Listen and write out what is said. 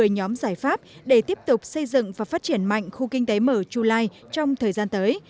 một mươi nhóm giải pháp để tiếp tục xây dựng và phát triển mạnh khu kinh tế mở chu lai trong thời gian tới